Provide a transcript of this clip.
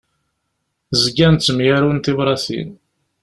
Zgan ttemyarun tibratin.